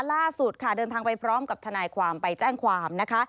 ล่าสุดค่ะเดินทางไปพร้อมกับทนายความไปแจ้งความนะคะ